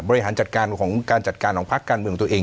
บริหารจัดการของการจัดการของพักการเมืองตัวเอง